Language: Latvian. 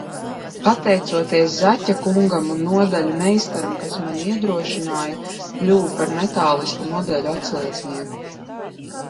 "Pateicoties Zaķa kungam un nodaļu meistaram, kas mani iedrošināja kļuvu par "Metālista" modeļu atslēdznieku."